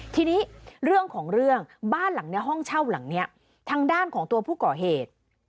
ทีนี้เรื่องของเรื่องบ้านหลังนี้ห้องเช่าหลังนี้ทางด้านของตัวผู้ก่อเหตุ